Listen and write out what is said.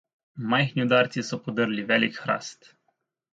Majhni udarci so podrli velik hrast.